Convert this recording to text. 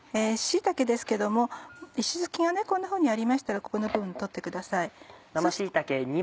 椎茸ですけども石突きがこんなふうにありましたらここの部分取ってください。